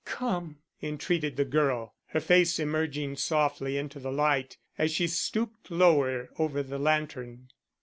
"Come," entreated the girl, her face emerging softly into the light, as she stooped lower over the lantern.